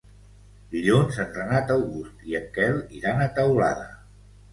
Dilluns en Renat August i en Quel iran a Teulada.